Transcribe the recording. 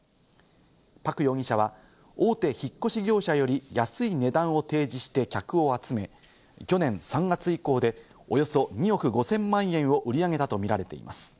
パク容疑者は大手引っ越し業者より安い値段を提示して客を集め、去年３月以降でおよそ２億５０００万円を売り上げたとみられています。